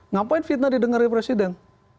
ngapain fitnah didengarkan presiden